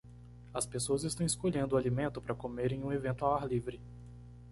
As pessoas estão escolhendo o alimento para comer em um evento ao ar livre